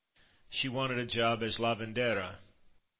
She wanted a job as lavandera.